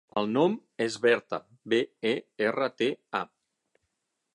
El nom és Berta: be, e, erra, te, a.